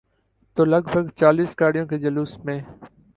تو لگ بھگ چالیس گاڑیوں کے جلوس میں۔